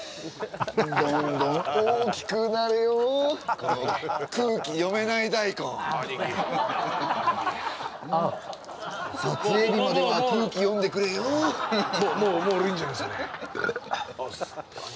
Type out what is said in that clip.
・どんどん大きくなれよ空気読めない大根撮影日までは空気読んでくれよもうもうもうもうもういいんじゃないですかね